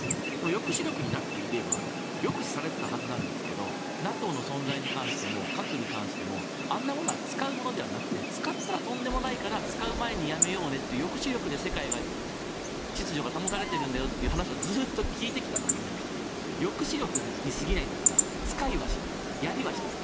抑止力になっていれば抑止されていたはずなんですけどＮＡＴＯの存在に関しても核に関してもあんなものは使うものではなくて使ったらとんでもないから使う前にやめようねという抑止力で世界秩序が保たれているんだよという話をずっと聞いてきたのに抑止力に過ぎないんだから使いはしないやりはしない。